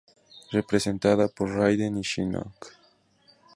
Representada por Raiden y Shinnok.